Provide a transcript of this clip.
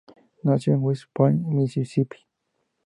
Nació en West Point, Mississippi.